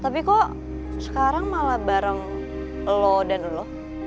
tapi kok sekarang malah bareng lo dan ulo